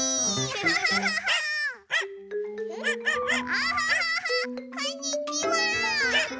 キャハハハこんにちは！